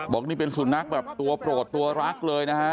บอกนี่เป็นสุนัขแบบตัวโปรดตัวรักเลยนะฮะ